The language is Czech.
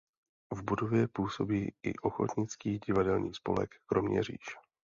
V budově působí i ochotnický Divadelní spolek Kroměříž.